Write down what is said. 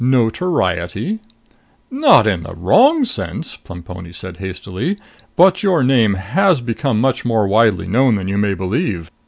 "Notoriety?" "Not in the wrong sense!" Plemponi said hastily. "But your name has become much more widely known than you may believe.